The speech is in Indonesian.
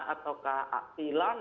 atau apakah hilang